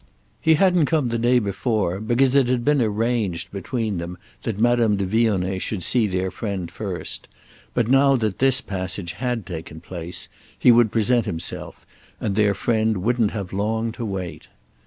He hadn't come the day before, because it had been arranged between them that Madame de Vionnet should see their friend first; but now that this passage had taken place he would present himself, and their friend wouldn't have long to wait.